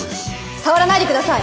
触らないでください！